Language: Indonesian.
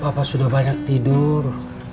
papa sudah banyak tidur